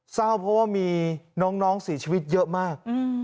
เศร้าเพราะว่ามีน้องศีรภิกษ์เยอะมาก